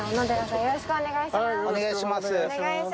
よろしくお願いします。